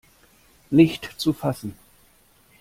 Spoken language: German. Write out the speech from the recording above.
Nicht zu fassen!